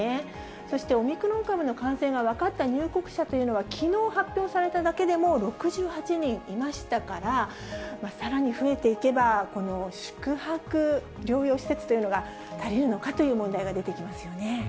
そして、オミクロン株の感染が分かった入国者というのは、きのう発表されただけでも６８人いましたから、さらに増えていけば、この宿泊療養施設というのが足りるのかという問題が出てきますよ